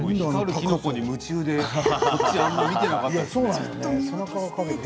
きのこに夢中であんまりこっちを見ていなかった。